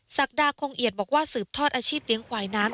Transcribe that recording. ศักดาคงเอียดบอกว่าสืบทอดอาชีพเลี้ยงควายน้ำ